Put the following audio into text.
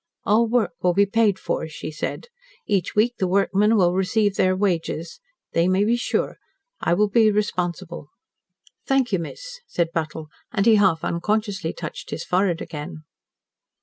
"All work will be paid for," she said. "Each week the workmen will receive their wages. They may be sure. I will be responsible." "Thank you, miss," said Buttle, and he half unconsciously touched his forehead again.